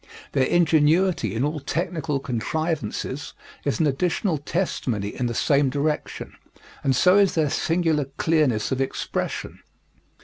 Their ingenuity in all technical contrivances is an additional testimony in the same direction, and so is their singular clearness of expression.